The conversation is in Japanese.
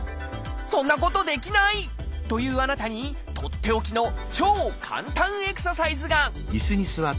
そんなことできない！というあなたにとっておきの超簡単エクササイズが！